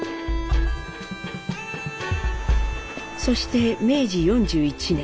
そして明治４１年。